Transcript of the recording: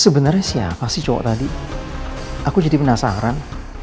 sebenarnya siapa sih cowok tadi aku jadi penasaran